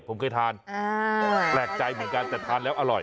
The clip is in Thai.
ผมเคยทานแปลกใจเหมือนกันแต่ทานแล้วอร่อย